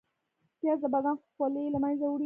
پیاز د بدن خولې له منځه وړي